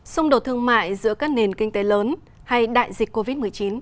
xung đột thương mại giữa các nền kinh tế lớn hay đại dịch covid một mươi chín